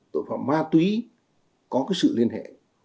tội phạm ma túy có sự liên hệ